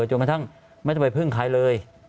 จนกระทั่งไม่จะไปเพิ่งขายเลย